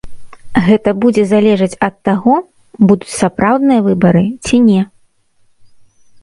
Гэта будзе залежаць ад таго, будуць сапраўдныя выбары ці не.